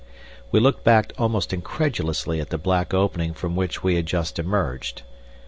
We looked back almost incredulously at the black opening from which we had just emerged.